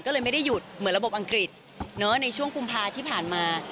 ก็เลยไม่ได้หยุดเหมือนระบบอังกฤษในช่วงกุมภาที่ผ่านมา